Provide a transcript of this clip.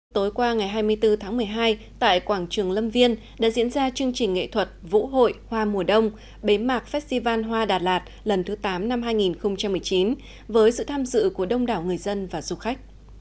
tối qua ngày hai mươi bốn tháng một mươi hai tại quảng trường lâm viên đã diễn ra chương trình nghệ thuật vũ hội hoa mùa đông bế mạc festival hoa đà lạt lần thứ tám năm hai nghìn một mươi chín với sự tham dự của đông đảo người dân và du khách